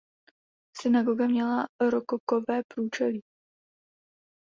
Synagoga měla rokokové průčelí.